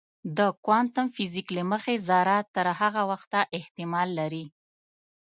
د کوانتم فزیک له مخې ذره تر هغه وخته احتمال لري.